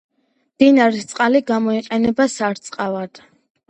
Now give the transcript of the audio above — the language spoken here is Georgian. მდინარის წყალი გამოიყენება სარწყავად.